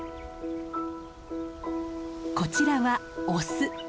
こちらはオス。